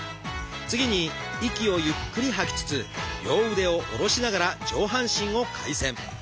次に息をゆっくり吐きつつ両腕を下ろしながら上半身を回旋。